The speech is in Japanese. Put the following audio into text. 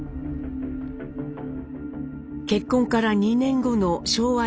結婚から２年後の昭和１５年。